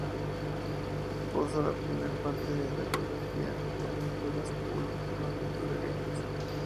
Supuso la primera parte de la trilogía de aventuras Pulp Adventure Games.